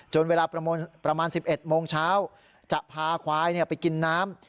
เวลาประมาณ๑๑โมงเช้าจะพาควายไปกินน้ำ